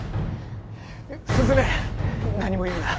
涼音何も言うな！